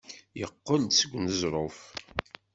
Yeqqel-d seg uneẓruf.